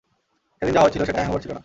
সেদিন যা হয়েছিল সেটা হ্যাংওভার ছিল না।